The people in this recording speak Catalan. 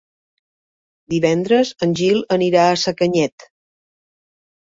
Divendres en Gil anirà a Sacanyet.